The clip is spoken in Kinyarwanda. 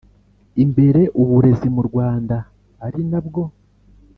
imbere uburezi mu Rwanda ari nabwo